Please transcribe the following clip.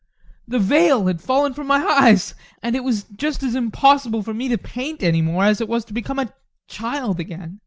The veil had fallen from my eyes, and it was just as impossible for me to paint any more as it was to become a child again.